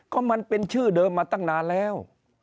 ก็มันเป็นชื่อเดิมมาตั้งนานแล้ว